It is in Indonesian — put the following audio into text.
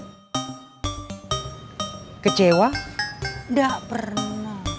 terima kasih ya